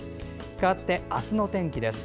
かわって、明日の天気です。